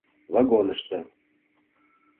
ВАГОНЫШТО